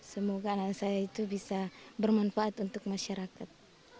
semoga anak saya itu bisa bermanfaat untuk masyarakat